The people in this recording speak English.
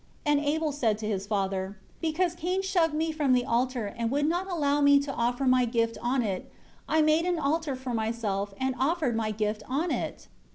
30 And Abel said to his father, "Because Cain shoved me from the altar, and would not allow me to offer my gift on it, I made an altar for myself and offered my gift on it."